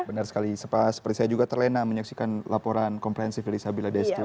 benar sekali seperti saya juga terlena menyaksikan laporan komprehensif dari sabila destu ya